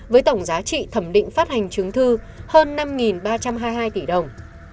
với tổng giá trị thẩm định phát hành chứng thư hơn năm ba trăm hai mươi hai tỷ đồng